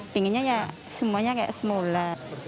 pinginnya ya semuanya kayak semula